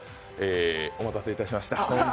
お待たせいたしました。